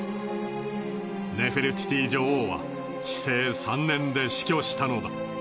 ネフェルティティ女王は治世３年で死去したのだ。